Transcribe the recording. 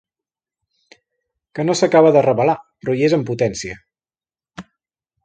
Que no s'acaba de revelar, però hi és en potència.